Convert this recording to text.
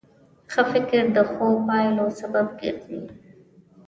ښه فکر د ښو پایلو سبب ګرځي.